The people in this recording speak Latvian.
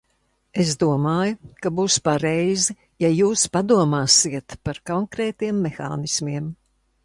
Es domāju, ka būs pareizi, ja jūs padomāsiet par konkrētiem mehānismiem.